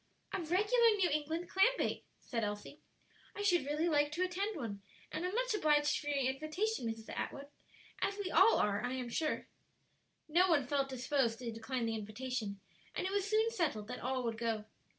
"A regular New England clam bake!" said Elsie, "I should really like to attend one, and am much obliged for your invitation, Mrs. Atwood; as we all are, I am sure." No one felt disposed to decline the invitation, and it was soon settled that all would go.